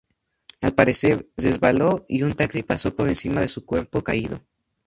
Al parecer, resbaló, y un taxi pasó por encima de su cuerpo caído.